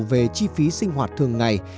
về chi phí sinh hoạt thường ngày